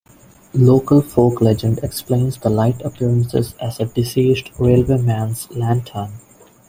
Local folk legend explains the light appearances as a deceased railwayman's lantern.